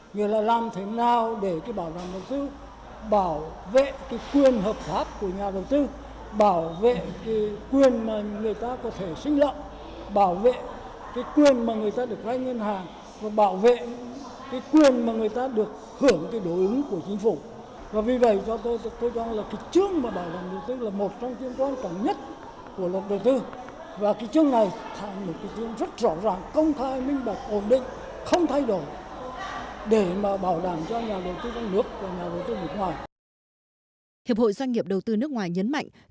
như là làm thế nào để bảo đảm đầu tư bảo vệ quyền hợp pháp của nhà đầu tư bảo vệ quyền người ta có thể sinh lộng bảo vệ quyền người ta được gai nhân hàng bảo vệ quyền người ta được hưởng đối ứng của chính phủ